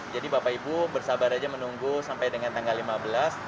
jadi bapak ibu bersabar aja menunggu sampai dengan tanggal lima belas